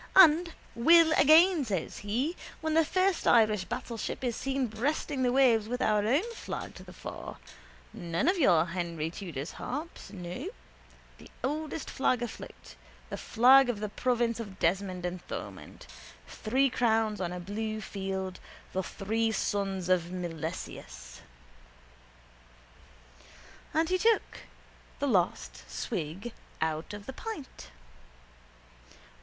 And will again, says he, when the first Irish battleship is seen breasting the waves with our own flag to the fore, none of your Henry Tudor's harps, no, the oldest flag afloat, the flag of the province of Desmond and Thomond, three crowns on a blue field, the three sons of Milesius. And he took the last swig out of the pint.